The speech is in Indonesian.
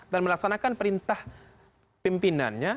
dan melaksanakan perintah pimpinannya